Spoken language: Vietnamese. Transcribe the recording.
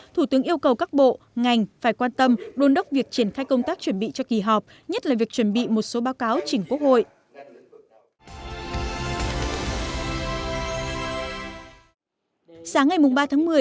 thủ tướng yêu cầu các bộ ngành phải quan tâm đôn đốc việc triển khai công tác chuẩn bị cho kỳ họp nhất là việc chuẩn bị một số báo cáo chỉnh quốc hội